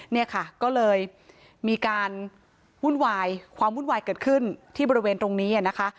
เนี่ยค่ะก็เลยมีการวุ่นวายความวุ่นวายเกิดขึ้นที่บริเวณตรงนี้นะคะ